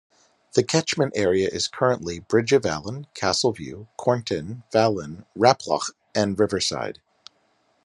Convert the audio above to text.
The catchment area is currently: Bridge of Allan, Castleview, Cornton, Fallin, Raploch and Riverside.